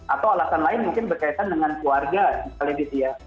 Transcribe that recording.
atau alasan lain mungkin berkaitan dengan keluarga misalnya gitu ya